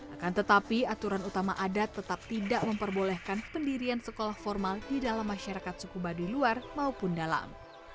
akan tetapi aturan utama adat tetap tidak memperbolehkan pendirian sekolah formal di dalam masyarakat suku baduy luar maupun dalam